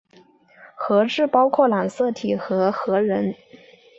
核质包括染色体和核仁。